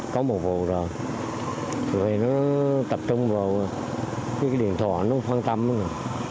có một vụ rồi người này nó tập trung vào cái điện thoại nó không quan tâm nữa